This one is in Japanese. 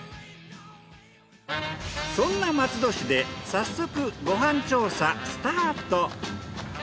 そんな松戸市で早速ご飯調査スタート。